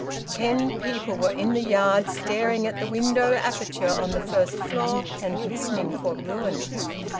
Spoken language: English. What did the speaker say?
Ten people were in the yard, staring at the window aperture on the first floor and listening for ruin.